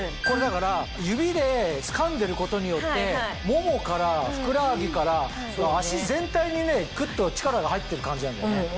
これだから指でつかんでることによってももからふくらはぎから足全体にグッと力が入ってる感じなんだよね。